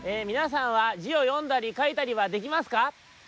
みなさんはじをよんだりかいたりはできますか？